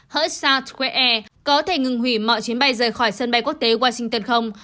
hỡi south square air có thể ngừng hủy mọi chuyến bay rời khỏi sân bay quốc tế washington không